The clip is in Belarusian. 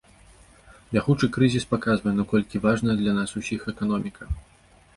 Бягучы крызіс паказвае, наколькі важная для нас усіх эканоміка.